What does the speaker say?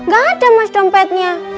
gak ada mas dompetnya